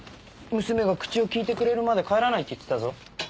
娘が口を利いてくれるまで帰らないって言ってたぞ。